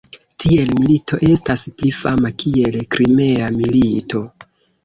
Tiel milito estas pli fama kiel Krimea milito.